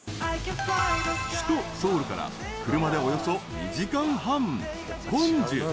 ［首都ソウルから車でおよそ２時間半］